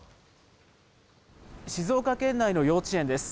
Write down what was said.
静岡県内の幼稚園です。